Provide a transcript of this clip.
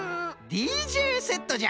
ＤＪセットじゃ！